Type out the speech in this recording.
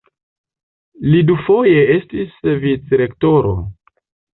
Li dufoje estis vicrektoro.